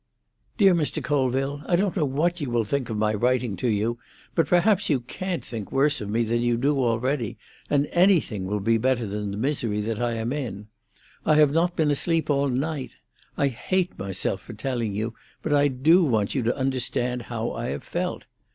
"DEAR MR. COLVILLE,—I don't know what you will think of my writing to you, but perhaps you can't think worse of me than you do already, and anything will be better than the misery that I am in. I have not been asleep all night. I hate myself for telling you, but I do want you to understand how I have felt.